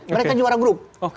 mereka juara grup